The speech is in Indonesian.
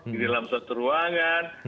di dalam suatu ruangan